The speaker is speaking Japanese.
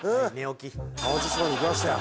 淡路島に来ましたよ。